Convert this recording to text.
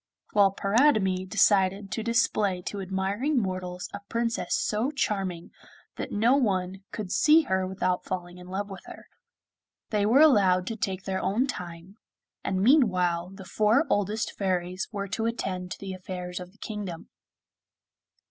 While Paridamie decided to display to admiring mortals a Princess so charming that no one could see her without falling in love with her. They were allowed to take their own time, and meanwhile the four oldest fairies were to attend to the affairs of the kingdom.